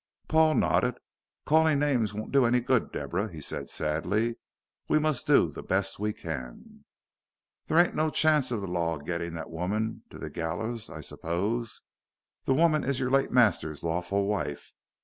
Paul nodded. "Calling names won't do any good, Deborah," he said sadly; "we must do the best we can." "There ain't no chance of the lawr gettin' that woman to the gallers I 'spose, sir?" "The woman is your late master's lawful wife.